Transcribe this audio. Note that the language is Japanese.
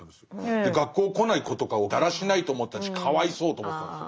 で学校来ない子とかをだらしないと思ってたしかわいそうと思ってたんですよ。